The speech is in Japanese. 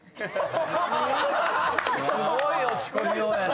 すごい落ち込みようやな！